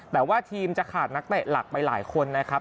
แต่ว่าทีมจะขาดนักเตะหลักไปหลายคนนะครับ